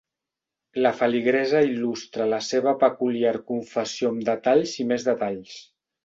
La feligresa il·lustra la seva peculiar confessió amb detalls i més detalls.